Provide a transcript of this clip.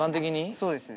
そうですね。